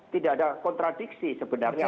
tidak ada kontradiksi sebenarnya